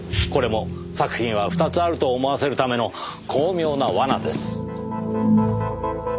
これも作品は２つあると思わせるための巧妙な罠です。